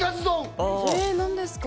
ええ何ですか？